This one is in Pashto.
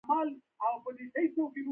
رزق د خدای په لاس کې دی